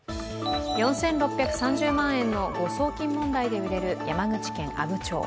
４６３０万円の誤送金問題で揺れる山口県阿武町。